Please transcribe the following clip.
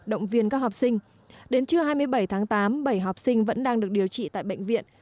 động viên các học sinh đến trưa hai mươi bảy tháng tám bảy học sinh vẫn đang được điều trị tại bệnh viện